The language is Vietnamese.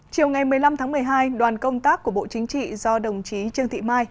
chiều ngày một mươi năm tháng một mươi hai đoàn công tác của bộ chính trị do đồng chí trương thị mai